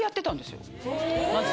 まず。